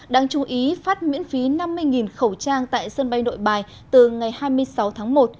đáng chú ý phát miễn phí năm mươi khẩu trang tại sân bay nội bài từ ngày hai mươi sáu tháng một